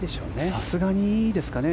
さすがにですかね。